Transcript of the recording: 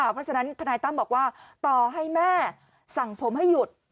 เพราะฉะนั้นทนายตั้มบอกว่าต่อให้แม่สั่งผมให้หยุด